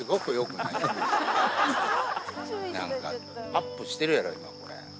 なんかアップしてるやろ、今、これ。